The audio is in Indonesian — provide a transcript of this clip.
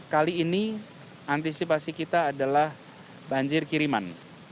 kali ini antisipasi kita adalah banjir kiriman